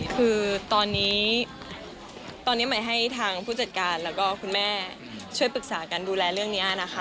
คือตอนนี้ตอนนี้หมายให้ทางผู้จัดการแล้วก็คุณแม่ช่วยปรึกษากันดูแลเรื่องนี้นะคะ